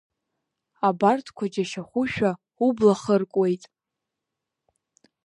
Абарҭқәа џьашьахушәа убла хыркуеит.